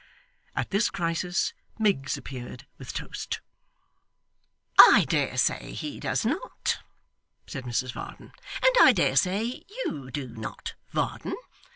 At this crisis, Miggs appeared with toast. 'I dare say he does not,' said Mrs Varden; 'and I dare say you do not, Varden.